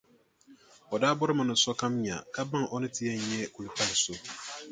O daa bɔrimi ni sokam nya ka baŋ o ni ti yɛn nyɛ kulipalʼ so.